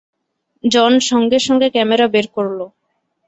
জন সঙ্গে সঙ্গে ক্যামেরা বের করলো।